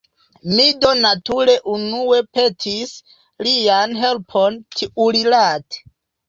Mi do nature unue petis lian helpon tiurilate.